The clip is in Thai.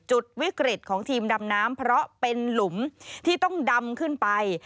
จุดวิกฤตของทีมดำน้ำเพราะเป็นหลุมที่ต้องดำขึ้นไป